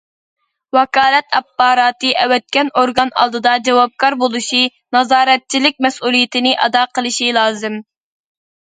ۋاكالەت ئاپپاراتى ئەۋەتكەن ئورگان ئالدىدا جاۋابكار بولۇشى، نازارەتچىلىك مەسئۇلىيىتىنى ئادا قىلىشى لازىم.